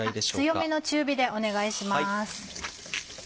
強めの中火でお願いします。